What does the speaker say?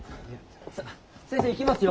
さあ先生行きますよ。